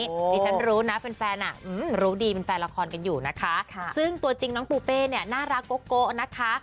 ดิฉันรู้นะแฟนอ่ะรู้ดีเป็นแฟนละครกันอยู่นะคะซึ่งตัวจริงน้องปูเป้เนี่ยน่ารักโกะนะคะ